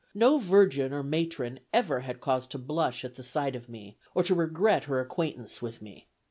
No virgin or matron ever had cause to blush at the sight of me, or to regret her acquaintance with me.